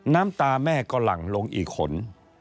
น้ำตาแม่ก็หลั่งลงอีกขน